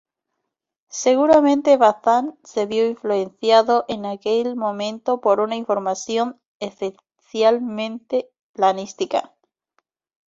Seguramente Bazán se vio influenciado en aquel momento por una formación esencialmente pianística.